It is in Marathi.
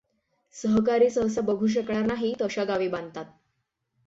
सहकारी सहसा बघू शकणार नाहीत अशा गावी बांधतात.